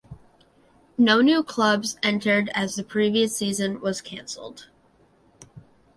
No new clubs entered as the previous season was cancelled.